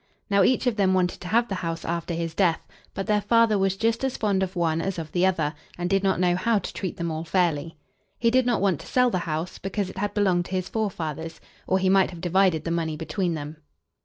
Now, each of them wanted to have the house after his death; but their father was just as fond of one as of the other, and did not know how to treat them all fairly. He did not want to sell the house, because it had belonged to his forefathers, or he might have divided the money between them.